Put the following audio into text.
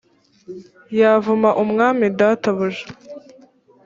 yavuma umwami databuja